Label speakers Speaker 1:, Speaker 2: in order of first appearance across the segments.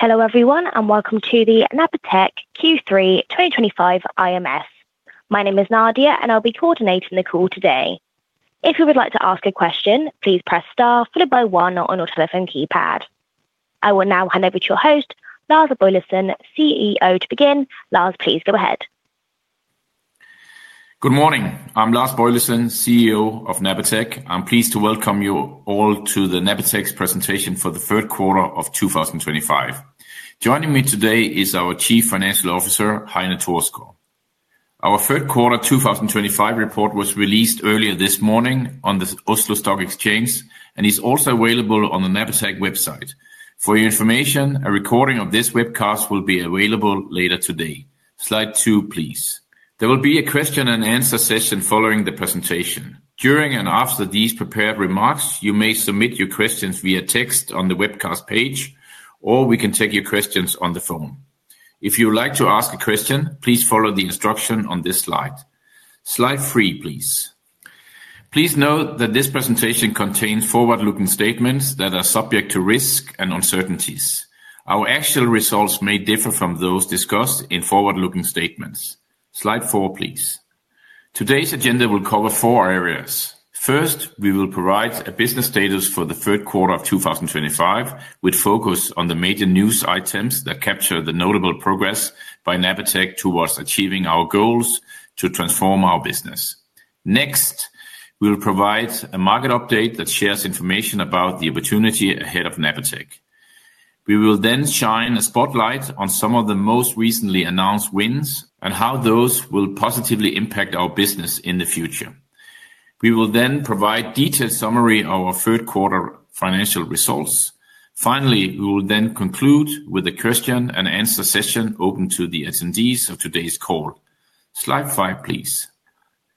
Speaker 1: Hello everyone, and welcome to the Napatech Q3 2025 IMS. My name is Nadia, and I'll be coordinating the call today. If you would like to ask a question, please press star followed by one on your telephone keypad. I will now hand over to your host, Lars Boilesen, CEO, to begin. Lars, please go ahead.
Speaker 2: Good morning. I'm Lars Boilesen, CEO of Napatech. I'm pleased to welcome you all to Napatech's presentation for the third quarter of 2025. Joining me today is our Chief Financial Officer, Heine Thorsgaard. Our third quarter 2025 report was released earlier this morning on the Oslo Stock Exchange, and it's also available on the Napatech website. For your information, a recording of this webcast will be available later today. Slide two, please. There will be a question and answer session following the presentation. During and after these prepared remarks, you may submit your questions via text on the webcast page, or we can take your questions on the phone. If you would like to ask a question, please follow the instruction on this slide. Slide three, please. Please note that this presentation contains forward-looking statements that are subject to risk and uncertainties. Our actual results may differ from those discussed in forward-looking statements. Slide four, please. Today's agenda will cover four areas. First, we will provide a business status for the third quarter of 2025, with focus on the major news items that capture the notable progress by Napatech towards achieving our goals to transform our business. Next, we will provide a market update that shares information about the opportunity ahead of Napatech. We will then shine a spotlight on some of the most recently announced wins and how those will positively impact our business in the future. We will then provide a detailed summary of our third quarter financial results. Finally, we will then conclude with a question and answer session open to the attendees of today's call. Slide five, please.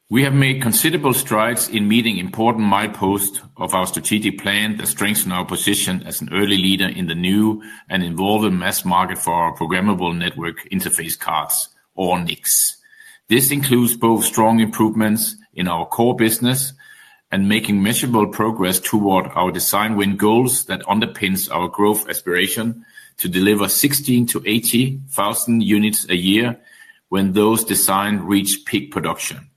Speaker 2: We have made considerable strides in meeting important mileposts of our strategic plan that strengthen our position as an early leader in the new and evolving mass market for our programmable network interface cards, or NICs. This includes both strong improvements in our core business and making measurable progress toward our design win goals that underpin our growth aspiration to deliver 16,000-80,000 units a year when those designs reach peak production.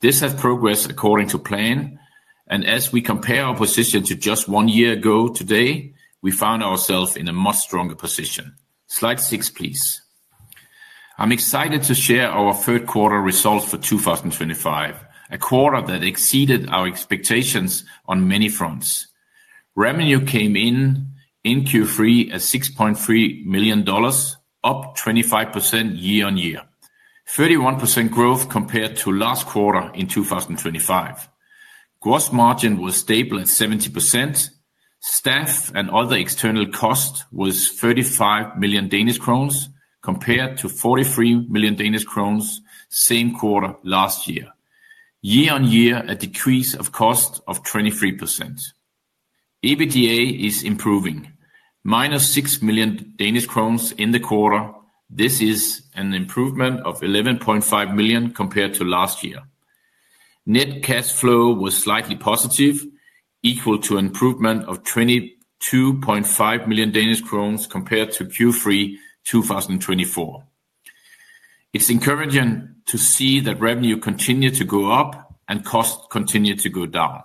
Speaker 2: This has progressed according to plan, and as we compare our position to just one year ago today, we found ourselves in a much stronger position. Slide six, please. I'm excited to share our third quarter results for 2025, a quarter that exceeded our expectations on many fronts. Revenue came in in Q3 at $6.3 million, up 25% year on year, 31% growth compared to last quarter in 2025. Gross margin was stable at 70%. Staff and other external costs were 35 million Danish kroner compared to 43 million Danish kroner same quarter last year. Year on year, a decrease of cost of 23%. EBITDA is improving, minus 6 million Danish crowns in the quarter. This is an improvement of 11.5 million compared to last year. Net cash flow was slightly positive, equal to an improvement of 22.5 million Danish kroner compared to Q3 2024. It's encouraging to see that revenue continued to go up and costs continued to go down.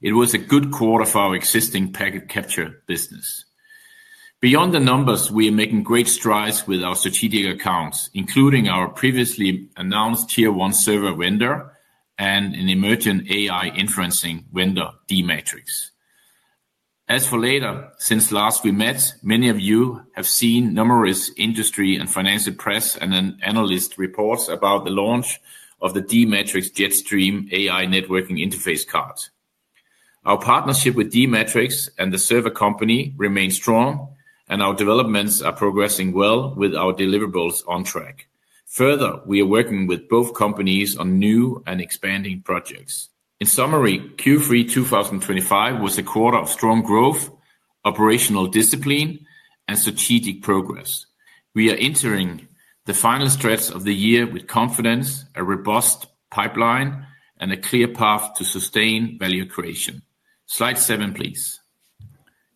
Speaker 2: It was a good quarter for our existing packet capture business. Beyond the numbers, we are making great strides with our strategic accounts, including our previously announced tier-1 server vendor and an emerging AI inferencing vendor, d-Matrix. As for later, since last we met, many of you have seen numerous industry and financial press and analyst reports about the launch of the d-Matrix JetStream AI Networking Interface Cards. Our partnership with d-Matrix and the server company remains strong, and our developments are progressing well with our deliverables on track. Further, we are working with both companies on new and expanding projects. In summary, Q3 2025 was a quarter of strong growth, operational discipline, and strategic progress. We are entering the final stretch of the year with confidence, a robust pipeline, and a clear path to sustain value creation. Slide seven, please.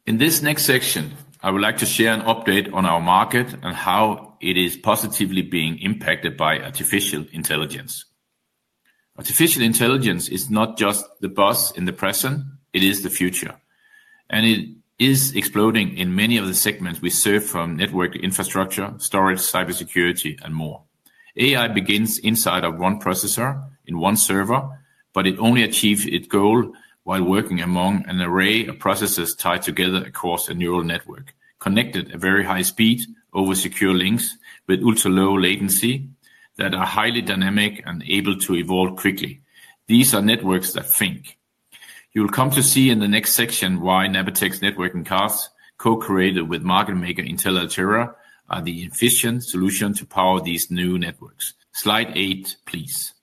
Speaker 2: In this next section, I would like to share an update on our market and how it is positively being impacted by artificial intelligence. Artificial intelligence is not just the buzz in the present, it is the future. It is exploding in many of the segments we serve from network infrastructure, storage, cybersecurity, and more. AI begins inside of one processor, in one server, but it only achieves its goal while working among an array of processors tied together across a neural network, connected at very high speed over secure links with ultra-low latency that are highly dynamic and able to evolve quickly. These are networks that think. You'll come to see in the next section why Napatech's networking cards, co-created with market maker Intel-Altera, are the efficient solution to power these new networks. Slide eight, please.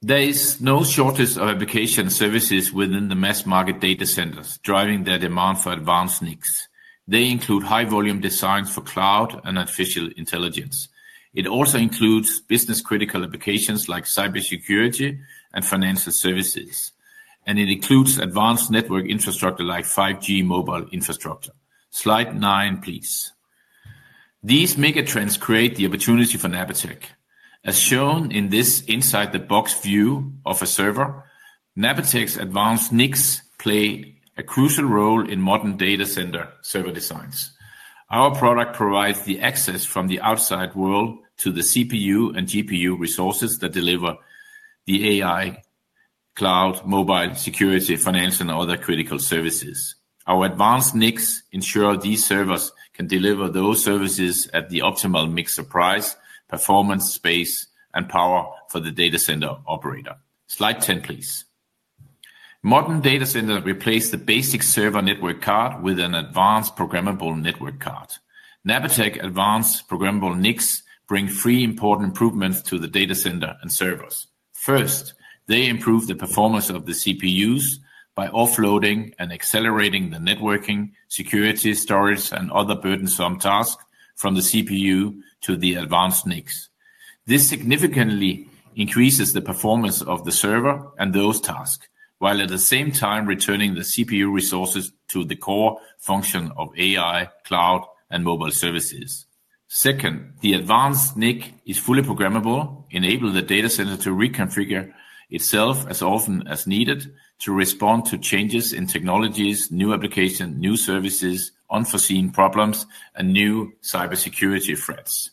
Speaker 2: There is no shortage of application services within the mass market data centers driving their demand for advanced NICs. They include high-volume designs for cloud and artificial intelligence. It also includes business-critical applications like cybersecurity and financial services, and it includes advanced network infrastructure like 5G mobile infrastructure. Slide nine, please. These mega trends create the opportunity for Napatech. As shown in this inside-the-box view of a server, Napatech's advanced NICs play a crucial role in modern data center server designs. Our product provides the access from the outside world to the CPU and GPU resources that deliver the AI. Cloud, mobile, security, finance, and other critical services. Our advanced NICs ensure these servers can deliver those services at the optimal mix of price, performance, space, and power for the data center operator. Slide 10, please. Modern data centers replace the basic server network card with an advanced programmable network card. Napatech advanced programmable NICs bring three important improvements to the data center and servers. First, they improve the performance of the CPUs by offloading and accelerating the networking, security, storage, and other burdensome tasks from the CPU to the advanced NICs. This significantly increases the performance of the server and those tasks, while at the same time returning the CPU resources to the core function of AI, cloud, and mobile services. Second, the advanced NIC is fully programmable, enabling the data center to reconfigure itself as often as needed to respond to changes in technologies, new applications, new services, unforeseen problems, and new cybersecurity threats.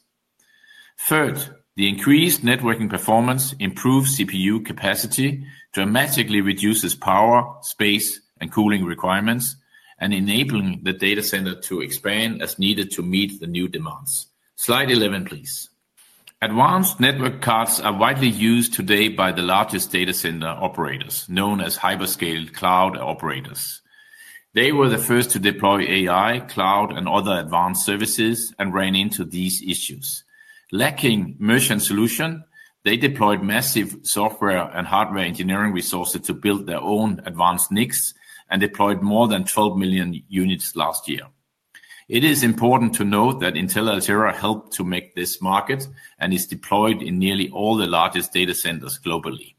Speaker 2: Third, the increased networking performance improves CPU capacity, dramatically reduces power, space, and cooling requirements, and enables the data center to expand as needed to meet the new demands. Slide 11, please. Advanced network cards are widely used today by the largest data center operators, known as hyperscale cloud operators. They were the first to deploy AI, cloud, and other advanced services and ran into these issues. Lacking a merchant solution, they deployed massive software and hardware engineering resources to build their own advanced NICs and deployed more than 12 million units last year. It is important to note that Intel-Altera helped to make this market and is deployed in nearly all the largest data centers globally.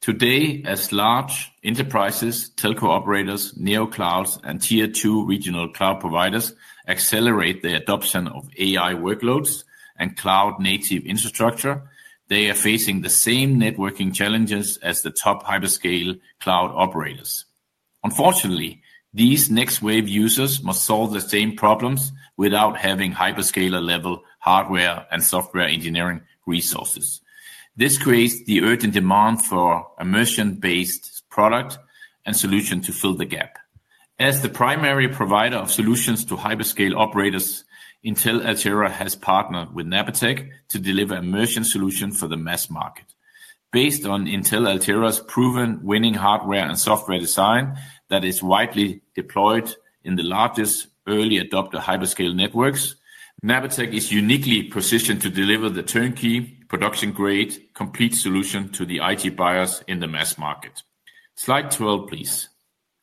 Speaker 2: Today, as large enterprises, telco operators, NeoClouds, and tier-2 regional cloud providers accelerate their adoption of AI workloads and cloud-native infrastructure, they are facing the same networking challenges as the top hyperscale cloud operators. Unfortunately, these next wave users must solve the same problems without having hyperscaler-level hardware and software engineering resources. This creates the urgent demand for a merchant-based product and solution to fill the gap. As the primary provider of solutions to hyperscale operators, Intel-Altera has partnered with Napatech to deliver a merchant solution for the mass market. Based on Intel-Altera's proven winning hardware and software design that is widely deployed in the largest early adopter hyperscale networks, Napatech is uniquely positioned to deliver the turnkey, production-grade, complete solution to the IT buyers in the mass market. Slide 12, please.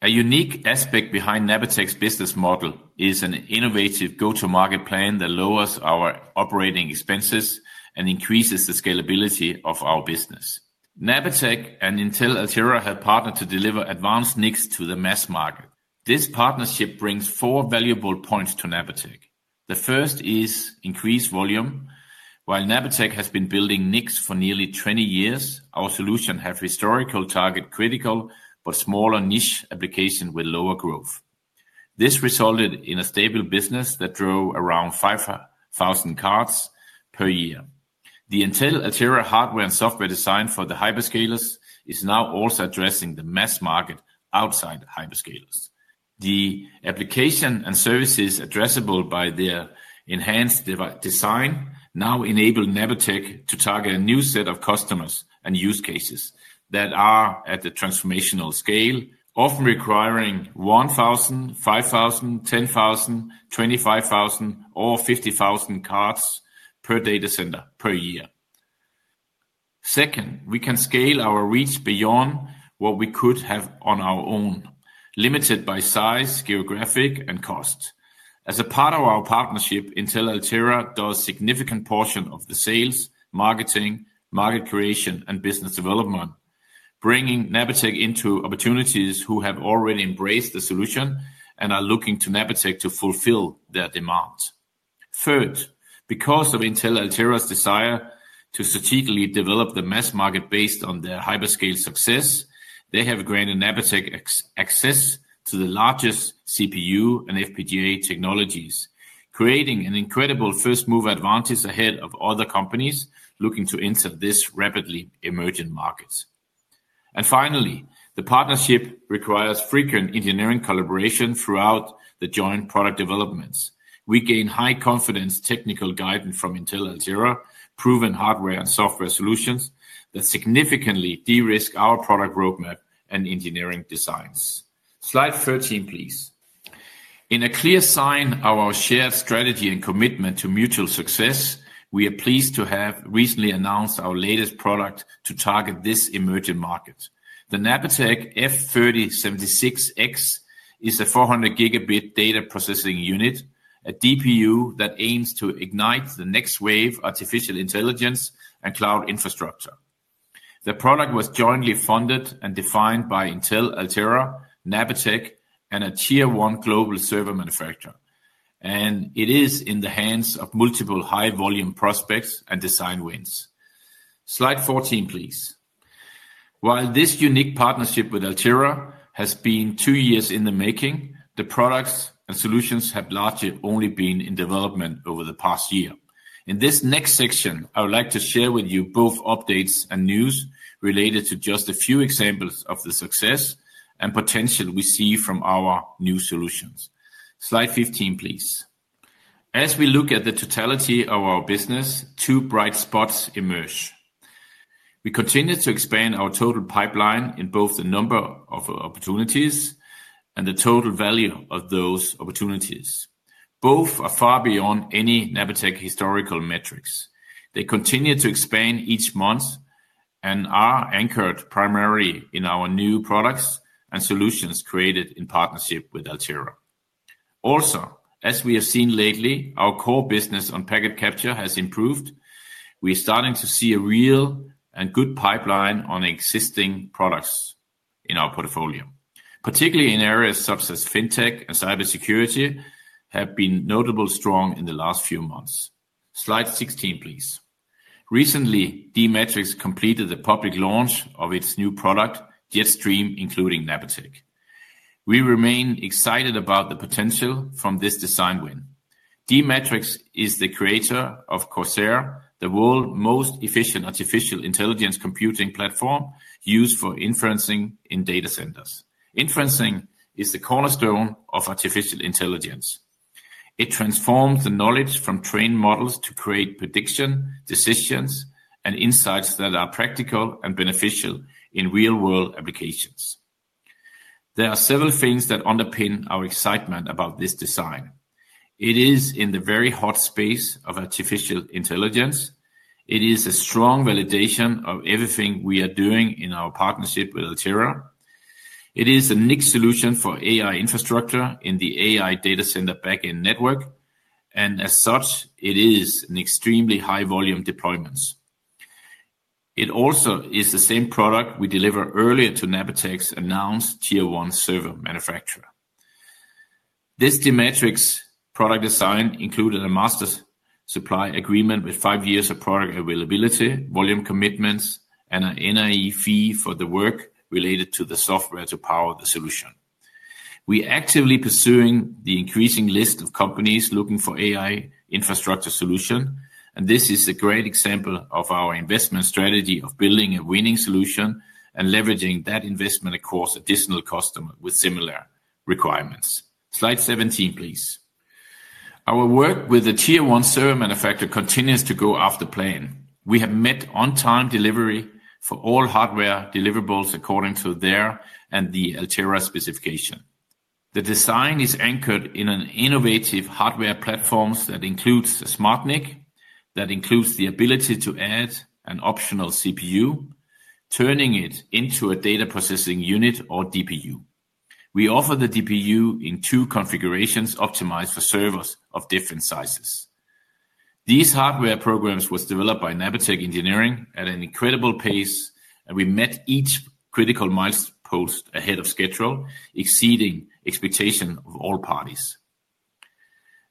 Speaker 2: A unique aspect behind Napatech's business model is an innovative go-to-market plan that lowers our operating expenses and increases the scalability of our business. Napatech and Intel-Altera have partnered to deliver advanced NICs to the mass market. This partnership brings four valuable points to Napatech. The first is increased volume. While Napatech has been building NICs for nearly 20 years, our solution has historical target-critical but smaller niche applications with lower growth. This resulted in a stable business that drove around 5,000 cards per year. The Intel-Altera hardware and software design for the hyperscalers is now also addressing the mass market outside hyperscalers. The application and services addressable by their enhanced design now enable Napatech to target a new set of customers and use cases that are at the transformational scale, often requiring 1,000, 5,000, 10,000, 25,000, or 50,000 cards per data center per year. Second, we can scale our reach beyond what we could have on our own, limited by size, geographic, and cost. As a part of our partnership, Intel-Altera does a significant portion of the sales, marketing, market creation, and business development, bringing Napatech into opportunities who have already embraced the solution and are looking to Napatech to fulfill their demands. Third, because of Intel-Altera's desire to strategically develop the mass market based on their hyperscale success, they have granted Napatech access to the largest CPU and FPGA technologies, creating an incredible first-mover advantage ahead of other companies looking to enter this rapidly emerging market. Finally, the partnership requires frequent engineering collaboration throughout the joint product developments. We gain high-confidence technical guidance from Intel-Altera, proven hardware and software solutions that significantly de-risk our product roadmap and engineering designs. Slide 13, please. In a clear sign of our shared strategy and commitment to mutual success, we are pleased to have recently announced our latest product to target this emerging market. The Napatech F3076X is a 400-Gb data processing unit, a DPU that aims to ignite the next wave of artificial intelligence and cloud infrastructure. The product was jointly funded and defined by Intel-Altera, Napatech, and a tier-1 global server manufacturer. It is in the hands of multiple high-volume prospects and design wins. Slide 14, please. While this unique partnership with Altera has been two years in the making, the products and solutions have largely only been in development over the past year. In this next section, I would like to share with you both updates and news related to just a few examples of the success and potential we see from our new solutions. Slide 15, please. As we look at the totality of our business, two bright spots emerge. We continue to expand our total pipeline in both the number of opportunities and the total value of those opportunities. Both are far beyond any Napatech historical metrics. They continue to expand each month and are anchored primarily in our new products and solutions created in partnership with Altera. Also, as we have seen lately, our core business on packet capture has improved. We are starting to see a real and good pipeline on existing products in our portfolio, particularly in areas such as fintech and cybersecurity that have been notably strong in the last few months. Slide 16, please. Recently, d-Matrix completed the public launch of its new product, JetStream, including Napatech. We remain excited about the potential from this design win. d-Matrix is the creator of Corsair, the world's most efficient artificial intelligence computing platform used for inferencing in data centers. Inferencing is the cornerstone of artificial intelligence. It transforms the knowledge from trained models to create prediction, decisions, and insights that are practical and beneficial in real-world applications. There are several things that underpin our excitement about this design. It is in the very hot space of artificial intelligence. It is a strong validation of everything we are doing in our partnership with Altera. It is a NIC solution for AI infrastructure in the AI data center backend network. As such, it is an extremely high-volume deployment. It also is the same product we delivered earlier to Napatech's announced tier-1 server manufacturer. This d-Matrix product design included a master supply agreement with five years of product availability, volume commitments, and an NIE fee for the work related to the software to power the solution. We are actively pursuing the increasing list of companies looking for AI infrastructure solutions, and this is a great example of our investment strategy of building a winning solution and leveraging that investment across additional customers with similar requirements. Slide 17, please. Our work with the tier-1 server manufacturer continues to go after plan. We have met on-time delivery for all hardware deliverables according to their and the Altera specification. The design is anchored in an innovative hardware platform that includes a smart NIC, that includes the ability to add an optional CPU, turning it into a data processing unit or DPU. We offer the DPU in two configurations optimized for servers of different sizes. These hardware programs were developed by Napatech Engineering at an incredible pace, and we met each critical milestone ahead of schedule, exceeding expectations of all parties.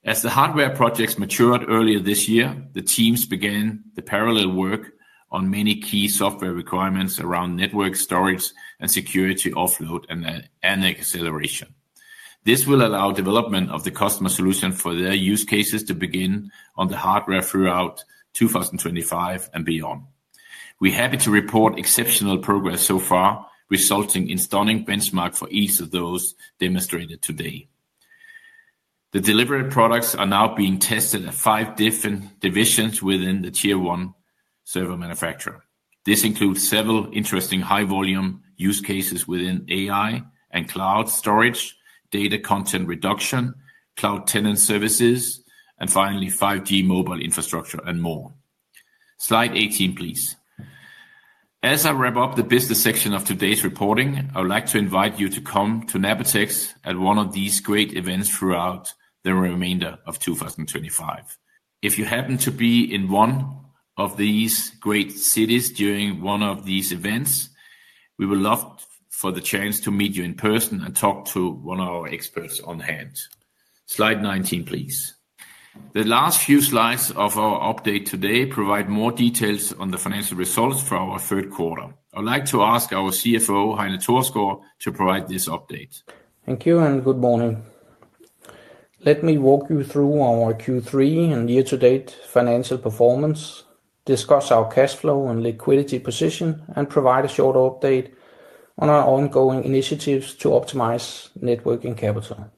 Speaker 2: As the hardware projects matured earlier this year, the teams began the parallel work on many key software requirements around network storage and security offload and acceleration. This will allow the development of the customer solution for their use cases to begin on the hardware throughout 2025 and beyond. We're happy to report exceptional progress so far, resulting in stunning benchmarks for each of those demonstrated today. The delivered products are now being tested at five different divisions within the tier-1 server manufacturer. This includes several interesting high-volume use cases within AI and cloud storage, data content reduction, cloud tenant services, and finally, 5G mobile infrastructure and more. Slide 18, please. As I wrap up the business section of today's reporting, I would like to invite you to come to Napatech at one of these great events throughout the remainder of 2025. If you happen to be in one of these great cities during one of these events, we would love for the chance to meet you in person and talk to one of our experts on hand. Slide 19, please. The last few slides of our update today provide more details on the financial results for our third quarter. I'd like to ask our CFO, Heine Thorsgaard, to provide this update.
Speaker 3: Thank you and good morning. Let me walk you through our Q3 and year-to-date financial performance, discuss our cash flow and liquidity position, and provide a short update on our ongoing initiatives to optimize networking capital.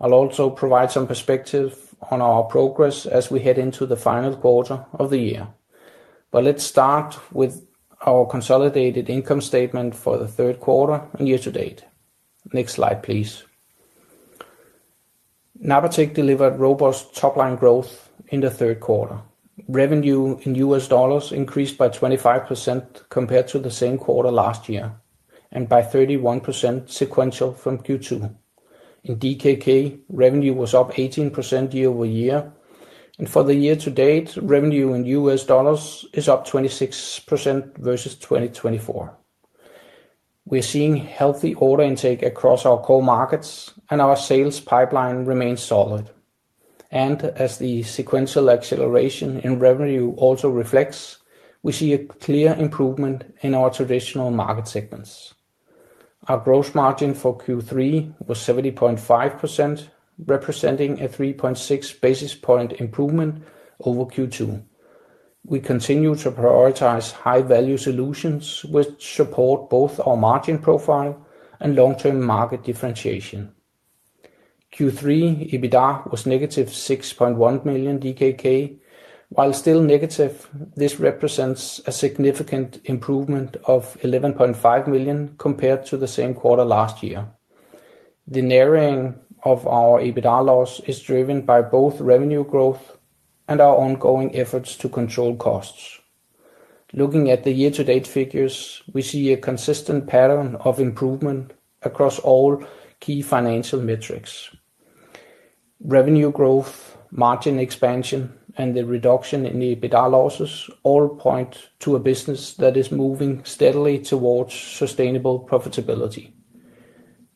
Speaker 3: I'll also provide some perspective on our progress as we head into the final quarter of the year. Let's start with our consolidated income statement for the third quarter and year-to-date. Next slide, please. Napatech delivered robust top-line growth in the third quarter. Revenue in U.S. dollars increased by 25% compared to the same quarter last year and by 31% sequential from Q2. In DKK, revenue was up 18% year-over-year, and for the year-to-date, revenue in U.S. dollars is up 26% versus 2024. We are seeing healthy order intake across our core markets, and our sales pipeline remains solid. As the sequential acceleration in revenue also reflects, we see a clear improvement in our traditional market segments. Our gross margin for Q3 was 70.5%, representing a 3.6 basis point improvement over Q2. We continue to prioritize high-value solutions which support both our margin profile and long-term market differentiation. Q3 EBITDA was negative 6.1 million DKK. While still negative, this represents a significant improvement of 11.5 million compared to the same quarter last year. The narrowing of our EBITDA loss is driven by both revenue growth and our ongoing efforts to control costs. Looking at the year-to-date figures, we see a consistent pattern of improvement across all key financial metrics. Revenue growth, margin expansion, and the reduction in EBITDA losses all point to a business that is moving steadily towards sustainable profitability.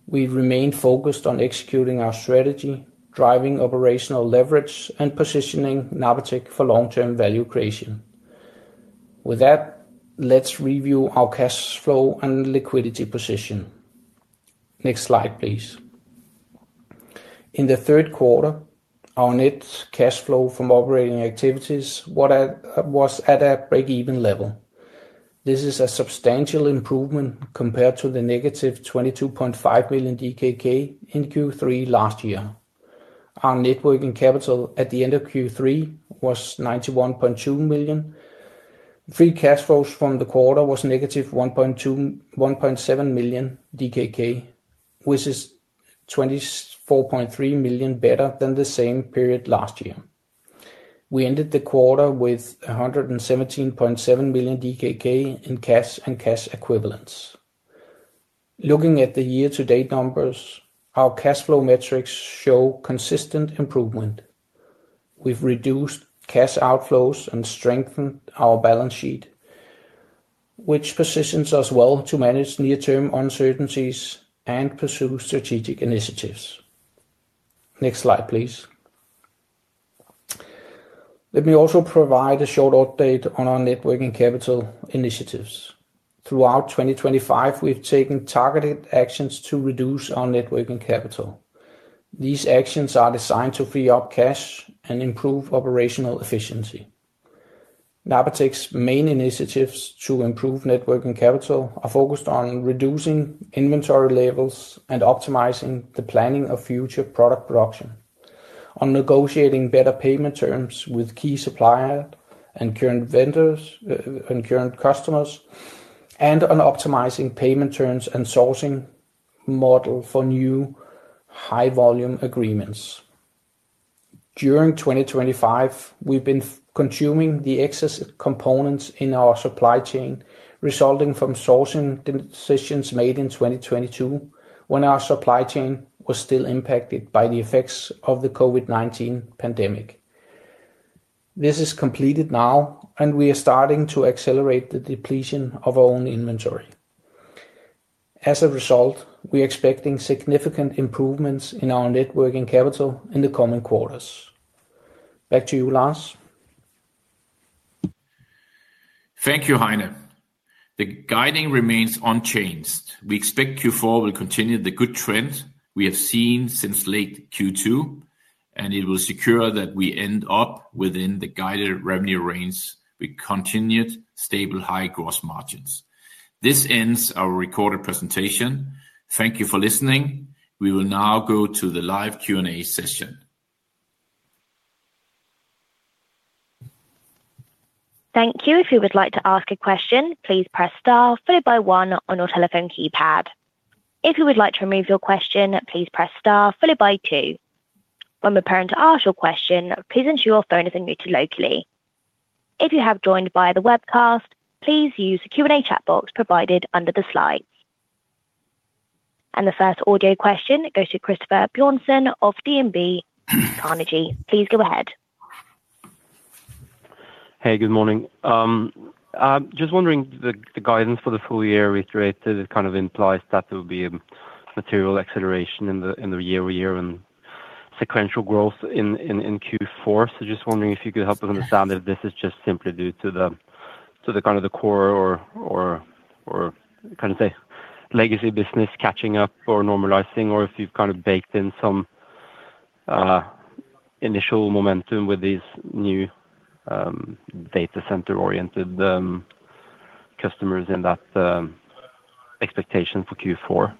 Speaker 3: We remain focused on executing our strategy, driving operational leverage, and positioning Napatech for long-term value creation. With that, let's review our cash flow and liquidity position. Next slide, please. In the third quarter, our net cash flow from operating activities was at a break-even level. This is a substantial improvement compared to the negative 22.5 million DKK in Q3 last year. Our networking capital at the end of Q3 was 91.2 million. Free cash flows from the quarter were negative 1.7 million DKK, which is 24.3 million better than the same period last year. We ended the quarter with 117.7 million DKK in cash and cash equivalents. Looking at the year-to-date numbers, our cash flow metrics show consistent improvement. We have reduced cash outflows and strengthened our balance sheet, which positions us well to manage near-term uncertainties and pursue strategic initiatives. Next slide, please. Let me also provide a short update on our networking capital initiatives. Throughout 2025, we have taken targeted actions to reduce our networking capital. These actions are designed to free up cash and improve operational efficiency. Napatech's main initiatives to improve networking capital are focused on reducing inventory levels and optimizing the planning of future product production, on negotiating better payment terms with key suppliers and current vendors and current customers, and on optimizing payment terms and sourcing model for new high-volume agreements. During 2025, we have been consuming the excess components in our supply chain, resulting from sourcing decisions made in 2022 when our supply chain was still impacted by the effects of the COVID-19 pandemic. This is completed now, and we are starting to accelerate the depletion of our own inventory. As a result, we are expecting significant improvements in our networking capital in the coming quarters. Back to you, Lars.
Speaker 2: Thank you, Heine. The guiding remains unchanged. We expect Q4 will continue the good trend we have seen since late Q2, and it will secure that we end up within the guided revenue range with continued stable high gross margins. This ends our recorded presentation. Thank you for listening. We will now go to the live Q&A session.
Speaker 1: Thank you. If you would like to ask a question, please press star followed by one on your telephone keypad. If you would like to remove your question, please press star followed by two. When you are prompted to ask your question, please ensure your phone is muted locally. If you have joined via the webcast, please use the Q&A chat box provided under the slides. The first audio question goes to Christoffer Bjørnsen of DNB Carnegie. Please go ahead.
Speaker 4: Hey, good morning. I'm just wondering, the guidance for the full year we created, it kind of implies that there will be a material acceleration in the year-over-year and sequential growth in Q4. Just wondering if you could help us understand if this is just simply due to the kind of the core or, kind of say, legacy business catching up or normalizing, or if you have kind of baked in some initial momentum with these new data center-oriented customers in that expectation for Q4.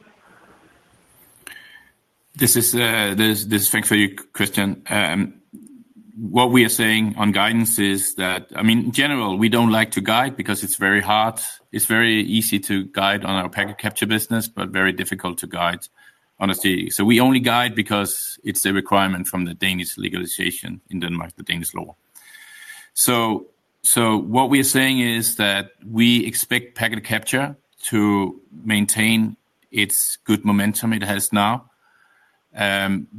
Speaker 2: This is Frank for you, Christian. What we are saying on guidance is that, I mean, in general, we do not like to guide because it is very hard. It is very easy to guide on our packet capture business, but very difficult to guide, honestly. We only guide because it is the requirement from the Danish legalization in Denmark, the Danish law. What we are saying is that we expect packet capture to maintain its good momentum it has now.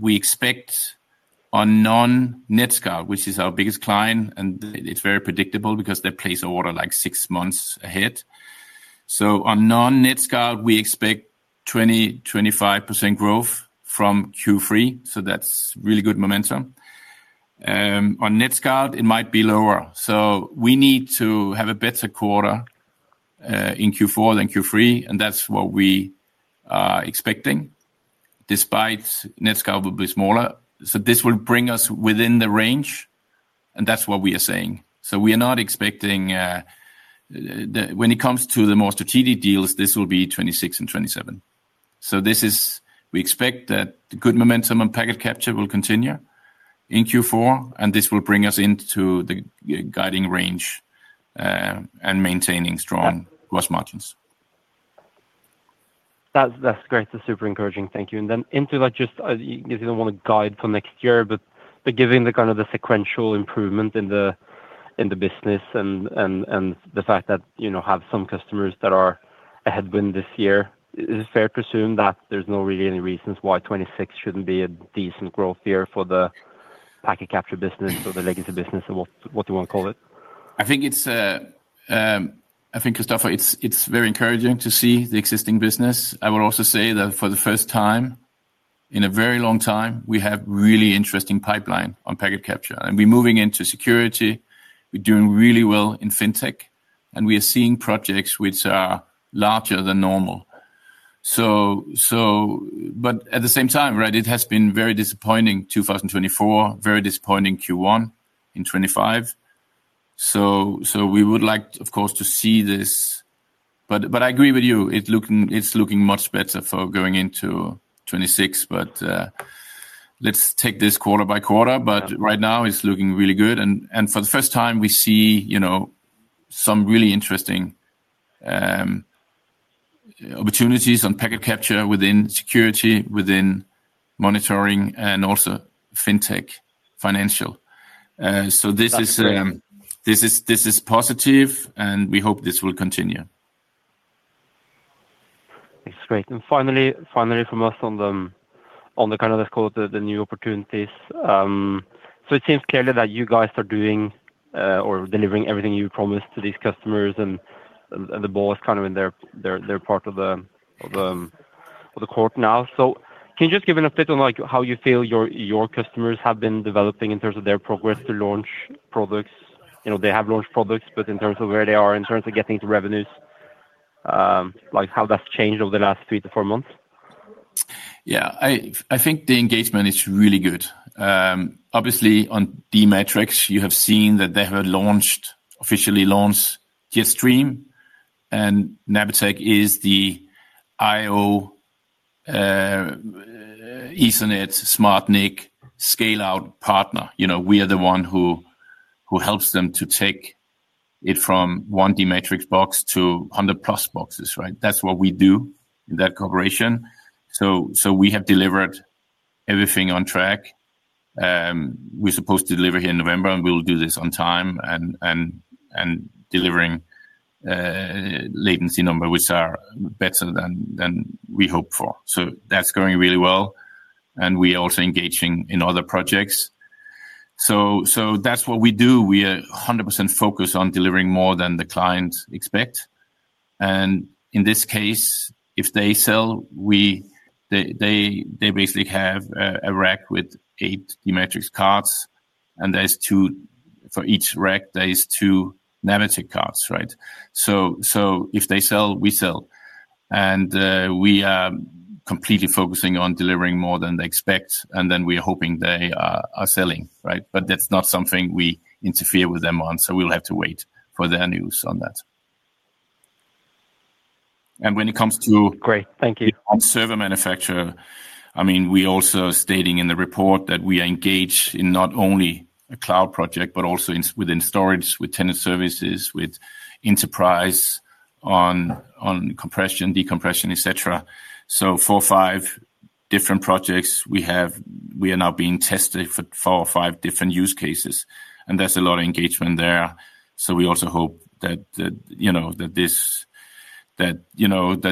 Speaker 2: We expect on non-NetScout, which is our biggest client, and it is very predictable because they place orders like six months ahead. On non-NetScout, we expect 20%-25% growth from Q3. That is really good momentum. On NetScout, it might be lower. We need to have a better quarter in Q4 than Q3, and that is what we are expecting, despite NetScout will be smaller. This will bring us within the range, and that is what we are saying. We are not expecting, when it comes to the more strategic deals, this will be 26% and 27%. We expect that the good momentum on packet capture will continue in Q4, and this will bring us into the guiding range and maintaining strong gross margins.
Speaker 4: That is great. That is super encouraging. Thank you. Into that, just if you do not want to guide for next year, but given the kind of sequential improvement in the business and the fact that you have some customers that are a headwind this year, is it fair to assume that there's not really any reasons why 26% shouldn't be a decent growth year for the packet capture business or the legacy business or what you want to call it?
Speaker 2: I think it's, I think, Christoffer, it's very encouraging to see the existing business. I would also say that for the first time in a very long time, we have a really interesting pipeline on packet capture. We are moving into security, we are doing really well in fintech, and we are seeing projects which are larger than normal. At the same time, it has been very disappointing 2024, very disappointing Q1 in 2025. We would like, of course, to see this. I agree with you. It's looking much better for going into 26%, but let's take this quarter by quarter. Right now, it's looking really good. For the first time, we see some really interesting opportunities on packet capture within security, within monitoring, and also fintech financial. This is positive, and we hope this will continue.
Speaker 4: That's great. Finally, from us on the kind of, let's call it the new opportunities. It seems clearly that you guys are doing or delivering everything you promised to these customers, and the ball is kind of in their part of the court now. Can you just give an update on how you feel your customers have been developing in terms of their progress to launch products? They have launched products, but in terms of where they are, in terms of getting to revenues, how that's changed over the last three to four months?
Speaker 2: Yeah, I think the engagement is really good. Obviously, on d-Matrix, you have seen that they have officially launched JetStream, and Napatech is the IO Ethernet SmartNIC scale-out partner. We are the one who helps them to take it from one d-Matrix box to 100-plus boxes, right? That's what we do in that corporation. We have delivered everything on track. We're supposed to deliver here in November, and we'll do this on time. Delivering latency numbers which are better than we hoped for. That's going really well, and we are also engaging in other projects. That's what we do. We are 100% focused on delivering more than the clients expect. In this case, if they sell, they basically have a rack with eight d-Matrix cards, and for each rack, there are two Napatech cards, right? If they sell, we sell. We are completely focusing on delivering more than they expect, and then we are hoping they are selling, right? That's not something we interfere with them on, so we'll have to wait for their news on that. When it comes to. Great.
Speaker 4: Thank you.
Speaker 2: Server manufacturer, I mean, we also are stating in the report that we are engaged in not only a cloud project, but also within storage with tenant services, with enterprise on. Compression, decompression, et cetera. So four or five different projects we have, we are now being tested for four or five different use cases, and there's a lot of engagement there. We also hope that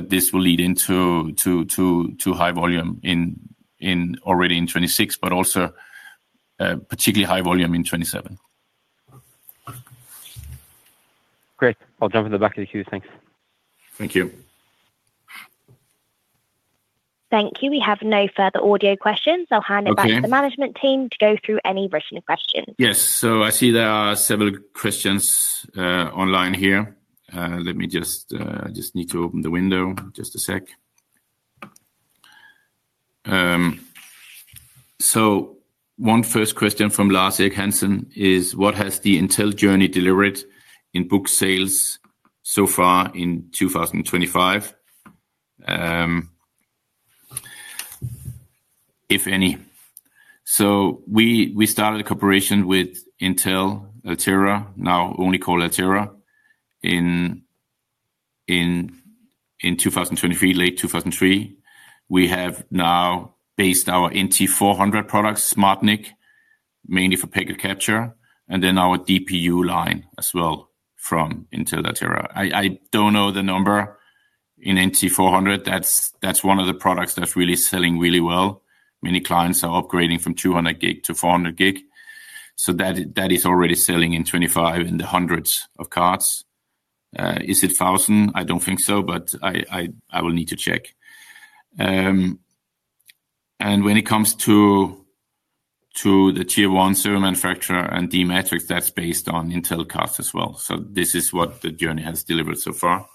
Speaker 2: this will lead into high volume already in 2026%, but also particularly high volume in 2027%.
Speaker 4: Great. I'll jump in the back of the queue. Thanks.
Speaker 2: Thank you.
Speaker 1: Thank you. We have no further audio questions. I'll hand it back to the management team to go through any written questions.
Speaker 2: Yes. I see there are several questions online here. Let me just. Need to open the window. Just a sec. One first question from Lars Egghansen is, what has the Intel journey delivered in book sales so far in 2025? If any. We started a corporation with Intel-Altera, now only called Altera, in 2023, late 2023. We have now based our NT400 products, SmartNIC, mainly for packet capture, and then our DPU line as well from Intel-Altera. I don't know the number in NT400. That's one of the products that's really selling really well. Many clients are upgrading from 200 gig to 400 gig. That is already selling in 2025 in the hundreds of cards. Is it 1,000? I don't think so, but I will need to check. When it comes to the tier-1 server manufacturer and d-Matrix, that's based on Intel cards as well. This is what the journey has delivered so far.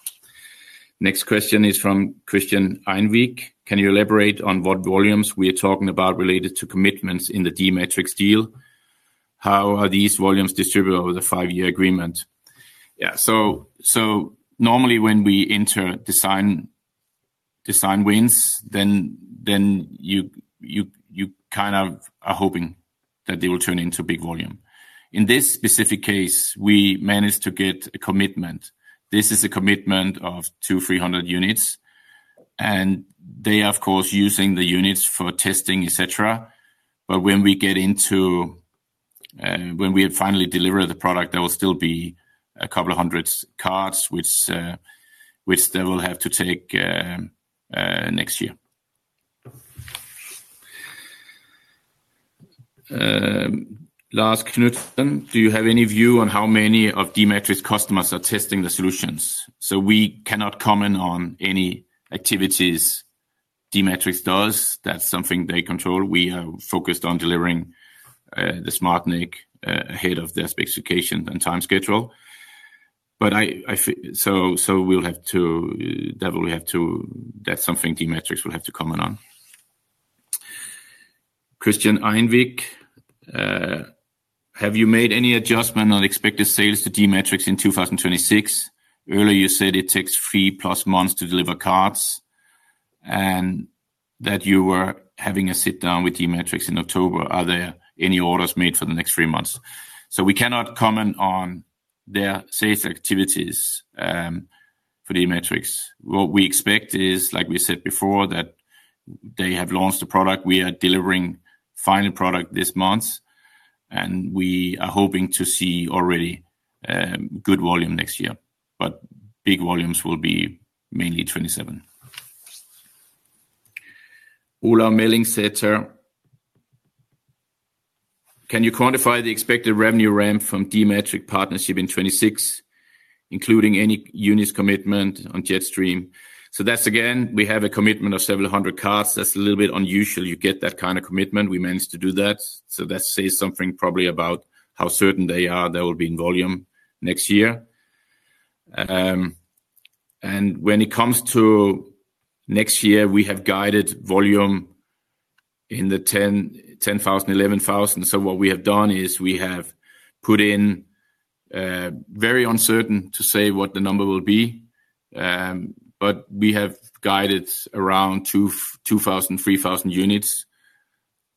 Speaker 2: Next question is from Christian Einweg. Can you elaborate on what volumes we are talking about related to commitments in the d-Matrix deal? How are these volumes distributed over the five-year agreement? Yeah. Normally, when we enter design wins, then you kind of are hoping that they will turn into big volume. In this specific case, we managed to get a commitment. This is a commitment of 2,300 units. They are, of course, using the units for testing, etc. When we finally deliver the product, there will still be a couple of hundred cards, which they will have to take next year. Lars Knutsson, do you have any view on how many of d-Matrix customers are testing the solutions? We cannot comment on any activities d-Matrix does. That's something they control. We are focused on delivering the SmartNIC ahead of their specification and time schedule. That will have to, that's something d-Matrix will have to comment on. Christian Einweg. Have you made any adjustment on expected sales to d-Matrix in 2026? Earlier, you said it takes three plus months to deliver cards. And that you were having a sit-down with d-Matrix in October. Are there any orders made for the next three months? We cannot comment on. Their sales activities. For d-Matrix. What we expect is, like we said before, that they have launched the product. We are delivering the final product this month. We are hoping to see already good volume next year, but big volumes will be mainly 2027. Ola Milling Setter. Can you quantify the expected revenue ramp from d-Matrix partnership in 2026, including any unit commitment on JetStream? So that's, again, we have a commitment of several hundred cards. That's a little bit unusual. You get that kind of commitment. We managed to do that. That says something probably about how certain they are there will be in volume next year. When it comes to next year, we have guided volume in the 10,000-11,000. What we have done is we have put in, very uncertain to say what the number will be, but we have guided around 2,000-3,000 units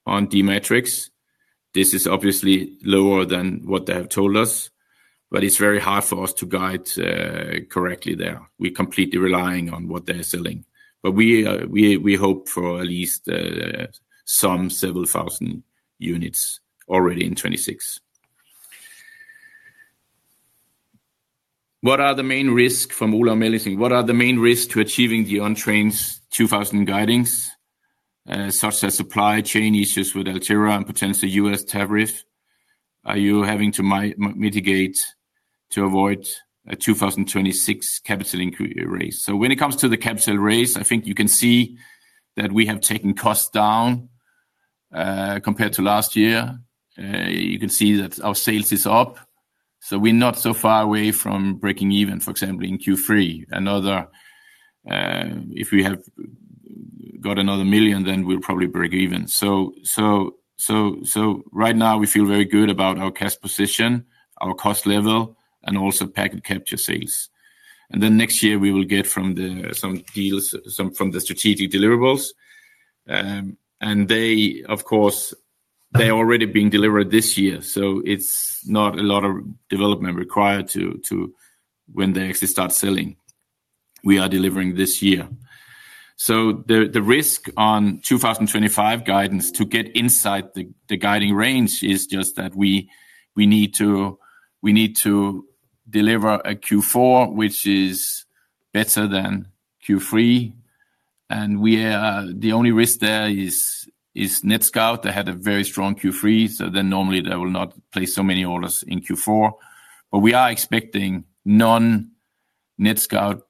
Speaker 2: on d-Matrix. This is obviously lower than what they have told us, but it's very hard for us to guide correctly there. We're completely relying on what they're selling. We hope for at least some several thousand units already in 2026. What are the main risks from Ola Milling? What are the main risks to achieving the OnTrains 2,000 guidance, such as supply chain issues with Altera and potentially U.S. tariff? Are you having to mitigate to avoid a 2026 capital increase? When it comes to the capital raise, I think you can see that we have taken costs down compared to last year. You can see that our sales are up. We're not so far away from breaking even, for example, in Q3. If we have got another million, then we'll probably break even. Right now, we feel very good about our cash position, our cost level, and also packet capture sales. Next year, we will get from some deals, some from the strategic deliverables. They, of course, are already being delivered this year. It's not a lot of development required when they actually start selling. We are delivering this year. The risk on 2025 guidance to get inside the guiding range is just that we need to deliver a Q4 which is better than Q3. The only risk there is NetScout. They had a very strong Q3, so normally they will not place so many orders in Q4. We are expecting non-NetScout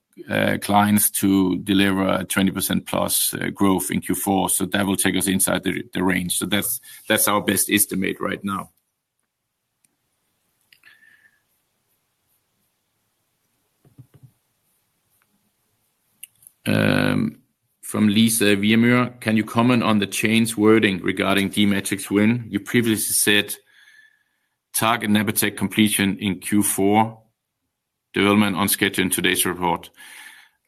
Speaker 2: clients to deliver 20% plus growth in Q4. That will take us inside the range. That's our best estimate right now. From Lisa Wiemer, can you comment on the change wording regarding d-Matrix win? You previously said target Napatech completion in Q4, development on schedule in today's report.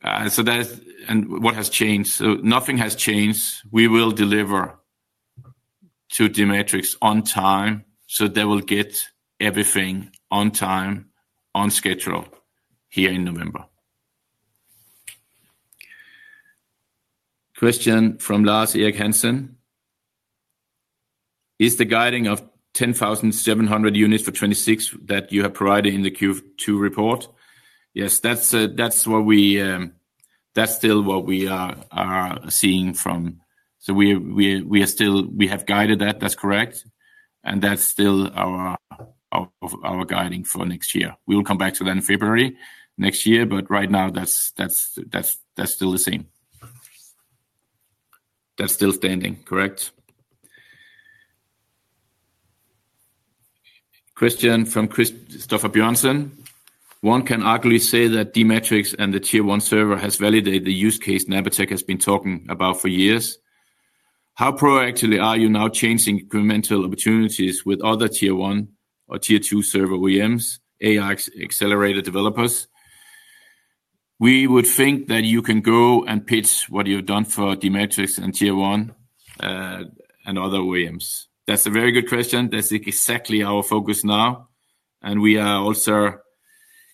Speaker 2: What has changed? Nothing has changed. We will deliver to d-Matrix on time, so they will get everything on time, on schedule here in November. Question from Lars Egghansen. Is the guiding of 10,700 units for 2026 that you have provided in the Q2 report? Yes, that's what we. That's still what we are seeing from. So we have guided that. That's correct. And that's still our guiding for next year. We'll come back to that in February next year, but right now, that's still the same. That's still standing, correct? Question from Christoffer Bjørnsen. One can arguably say that d-Matrix and the tier-1 server has validated the use case Napatech has been talking about for years. How proactive are you now changing incremental opportunities with other tier-1 or tier-2 server OEMs, AI accelerated developers? We would think that you can go and pitch what you've done for d-Matrix and tier-1 and other OEMs. That's a very good question. That's exactly our focus now. And we are also,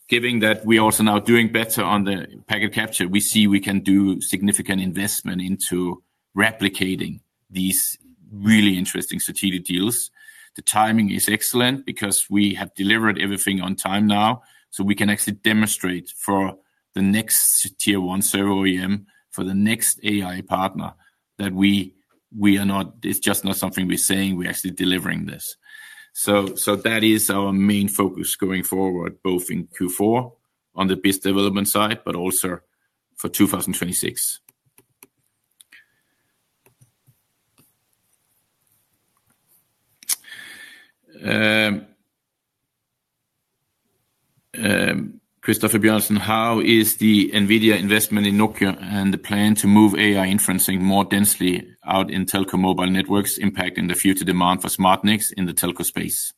Speaker 2: given that, we are also now doing better on the packet capture. We see we can do significant investment into replicating these really interesting strategic deals. The timing is excellent because we have delivered everything on time now, so we can actually demonstrate for the next tier-1 server OEM, for the next AI partner, that we are not, it's just not something we're saying, we're actually delivering this. That is our main focus going forward, both in Q4 on the business development side, but also for 2026. Christoffer Bjørnsen, how is the NVIDIA investment in Nokia and the plan to move AI inferencing more densely out in telco mobile networks impacting the future demand for SmartNICs in the telco space?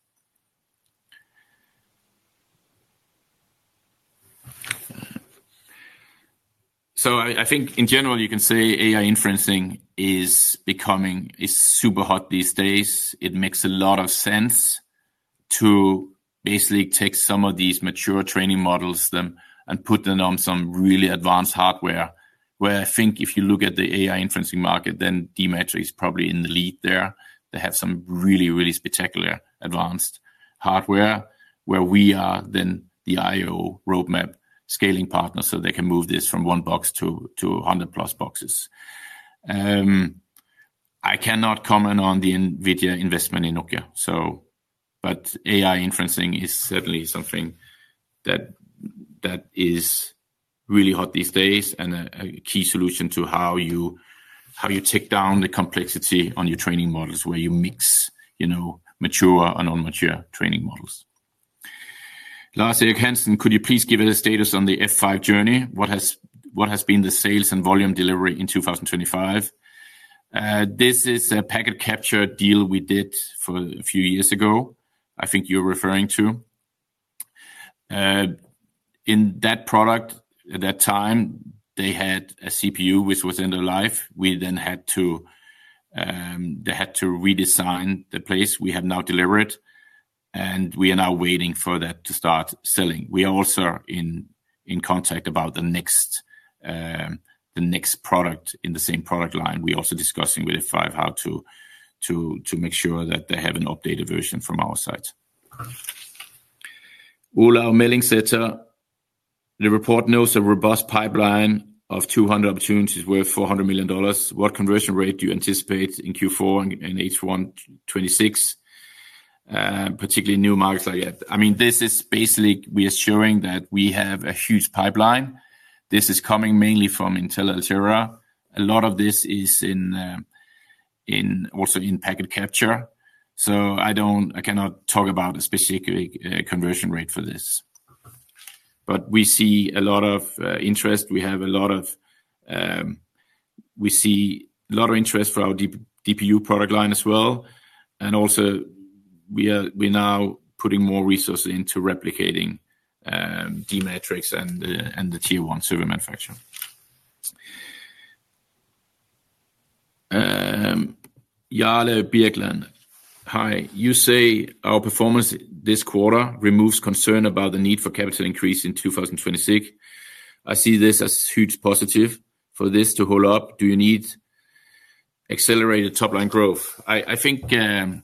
Speaker 2: I think, in general, you can say AI inferencing is becoming super hot these days. It makes a lot of sense to basically take some of these mature training models and put them on some really advanced hardware, where I think if you look at the AI inferencing market, then d-Matrix is probably in the lead there. They have some really, really spectacular advanced hardware where we are then the IO roadmap scaling partner so they can move this from one box to 100 plus boxes. I cannot comment on the NVIDIA investment in Nokia. AI inferencing is certainly something that is really hot these days and a key solution to how you take down the complexity on your training models where you mix mature and unmature training models. Lars Egghansen, could you please give us a status on the F5 journey? What has been the sales and volume delivery in 2025? This is a packet capture deal we did a few years ago, I think you're referring to. In that product, at that time, they had a CPU which was end-of-life. We then had to, they had to redesign the place. We have now delivered it. And we are now waiting for that to start selling. We are also in contact about the next product in the same product line. We're also discussing with F5 how to. Make sure that they have an updated version from our side. Ola Milling Setter. The report notes a robust pipeline of 200 opportunities worth $400 million. What conversion rate do you anticipate in Q4 and H1 2026? Particularly new markets like that. I mean, this is basically reassuring that we have a huge pipeline. This is coming mainly from Intel-Altera. A lot of this is also in packet capture. I cannot talk about a specific conversion rate for this, but we see a lot of interest. We have a lot of interest for our DPU product line as well. Also, we are now putting more resources into replicating d-Matrix and the tier-1 server manufacturer. Jale Birkland, hi. You say our performance this quarter removes concern about the need for capital increase in 2026. I see this as a huge positive. For this to hold up, do you need accelerated top-line growth? I think as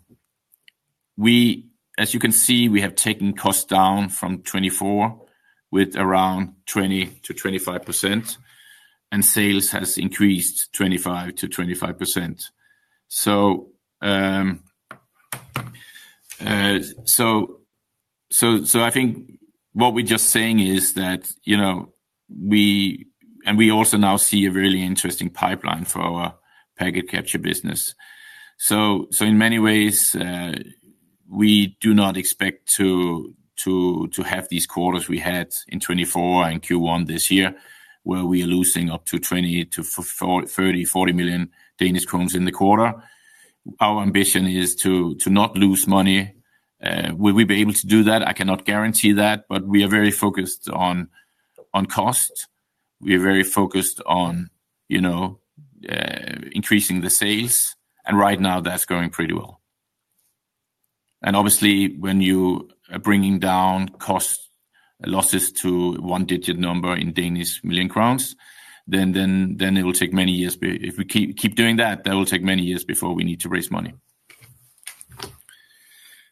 Speaker 2: you can see, we have taken costs down from 2024 with around 20%-25%. Sales has increased 25%-25%. I think what we are just saying is that we also now see a really interesting pipeline for our packet capture business. In many ways, we do not expect to have these quarters we had in 2024 and Q1 this year, where we are losing up to 20 million, 30 million, 40 million in the quarter. Our ambition is to not lose money. Will we be able to do that? I cannot guarantee that, but we are very focused on cost. We are very focused on increasing the sales. Right now, that is going pretty well. Obviously, when you are bringing down cost losses to a one-digit number in Danish million kroner, then it will take many years. If we keep doing that, that will take many years before we need to raise money.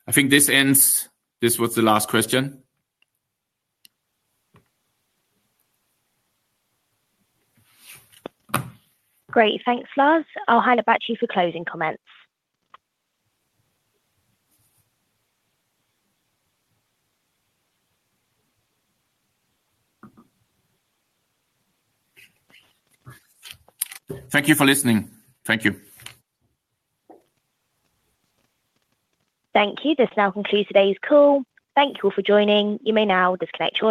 Speaker 2: I think this ends. This was the last question.
Speaker 1: Great. Thanks, Lars. I will hand it back to you for closing comments.
Speaker 2: Thank you for listening. Thank you.
Speaker 1: Thank you. This now concludes today's call. Thank you all for joining. You may now disconnect or.